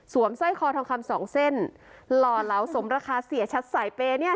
สร้อยคอทองคำสองเส้นหล่อเหลาสมราคาเสียชัดสายเปย์เนี่ย